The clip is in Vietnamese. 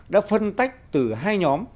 đã phân tách từ hai nhóm